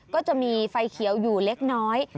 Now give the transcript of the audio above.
ก็จะมีไฟเขียวอยู่เล็กน้อย